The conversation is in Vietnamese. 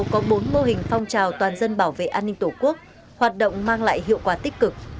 hiện trên địa bàn xã cado có bốn mô hình phong trào toàn dân bảo vệ an ninh tổ quốc hoạt động mang lại hiệu quả tích cực